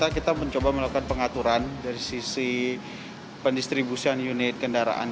kita mencoba melakukan pengaturan dari sisi pendistribusian unit kendaraan